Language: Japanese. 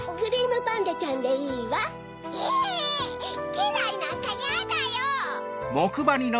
けらいなんかやだよ。